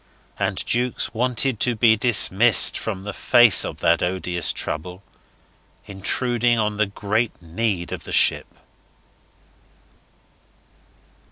And Jukes wanted to be dismissed from the face of that odious trouble intruding on the great need of the ship.